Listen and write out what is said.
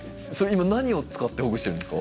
今何を使ってほぐしてるんですか？